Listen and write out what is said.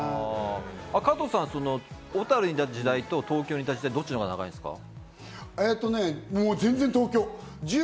加藤さん、小樽にいた時代と、東京にいた時代、どっちが長いですか？